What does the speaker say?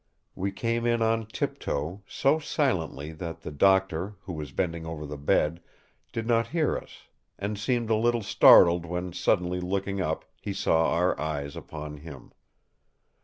We came in on tiptoe, so silently that the Doctor, who was bending over the bed, did not hear us, and seemed a little startled when suddenly looking up he saw our eyes upon him.